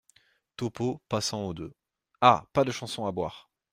Topeau , passant au deux. — Ah ! pas de chanson à boire !